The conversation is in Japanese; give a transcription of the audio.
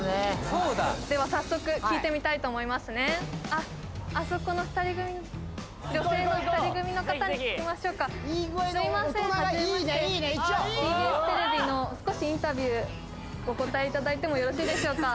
そうだでは早速聞いてみたいと思いますねあっあそこの２人組のすいませんはじめましてＴＢＳテレビの少しインタビューお答えいただいてもよろしいでしょうか？